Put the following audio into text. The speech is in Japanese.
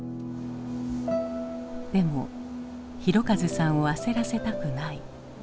でも広和さんを焦らせたくない。